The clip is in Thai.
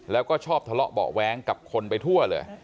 แล้วก็ชอบทะเลาะเบาะแว้งกับคนไปทั่วเลย